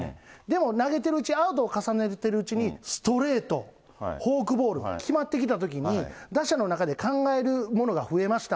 でも投げてるうち、アウトを重ねてるうちに、ストレート、フォークボール、決まってきたときに、打者の中で考えるものが増えました。